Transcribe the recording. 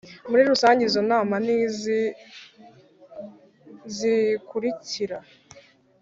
Muri Rusange Izo nama ni izi zikurikira